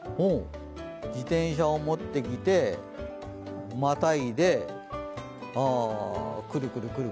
自転車を持ってきて、またいで、クルクルクル。